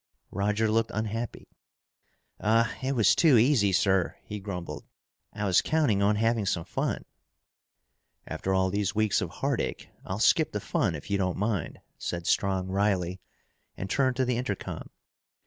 Roger looked unhappy. "Ah, it was too easy, sir," he grumbled. "I was counting on having some fun." "After all these weeks of heartache, I'll skip the fun if you don't mind," said Strong wryly and turned to the intercom.